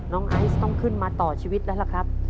ไอซ์ต้องขึ้นมาต่อชีวิตแล้วล่ะครับ